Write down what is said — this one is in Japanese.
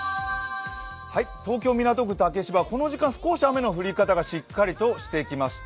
東京・港区竹芝はこの時間、少し雨の降り方がしっかりとしてきました。